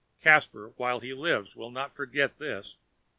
—for Caspar, while he lives, will not forget this!